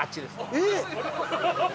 えっ！？